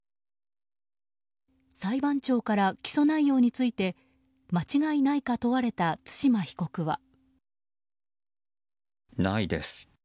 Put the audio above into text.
裁判長から起訴内容について間違いないか問われたないです。